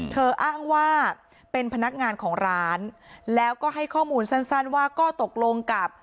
อ้างว่าเป็นพนักงานของร้านแล้วก็ให้ข้อมูลสั้นว่าก็ตกลงกับ